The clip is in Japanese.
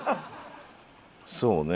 そうね。